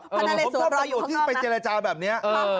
ชอบประวัติศาสตรีไปเจรจาแบบเนี้ย